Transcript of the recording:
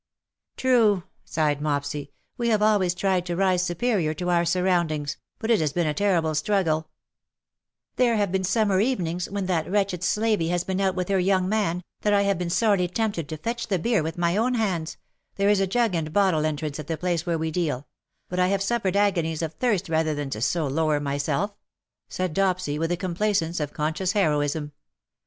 " True," sighed Mopsy, " we have always tried to TEARS AND TREASONS. 309 rise superior to our surroundings ; but it lias been a terrible struggle/' '^ There have been summer evenings, when that wretched slavey has been out with her young man, that I have been sorely tempted to fetch the beer with my own hands — there is a jug and bottle entrance at the place where we deal — but I have suflPered agonies of thirst rather than so lower myself/' said Dopsy, with the complacence of con scious heroism.